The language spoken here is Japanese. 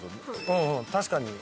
うんうん確かに。